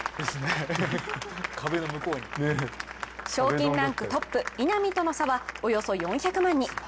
賞金ランクトップ・稲見との差はおよそ４００万に。